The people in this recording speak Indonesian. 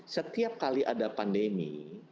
setiap kali ada pandemi